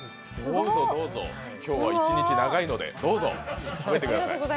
どうぞどうぞ、今日は一日長いのでどうぞ食べてください。